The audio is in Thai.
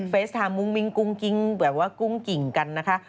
ทามมุ้งมิ้งกุ้งกิ้งแบบว่ากุ้งกิ่งกันนะคะ